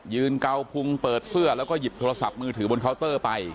เกาพุงเปิดเสื้อแล้วก็หยิบโทรศัพท์มือถือบนเคาน์เตอร์ไป